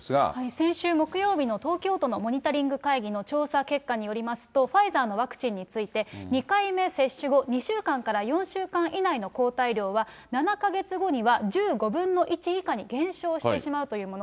先週木曜日の東京都のモニタリング会議の調査結果によりますと、ファイザーのワクチンについて、２回目接種後２週間から４週間以内の抗体量は、７か月後には１５分の１以下に減少してしまうというもの。